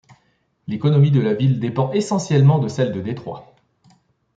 L'économie de la ville dépend essentiellement de celle de Détroit.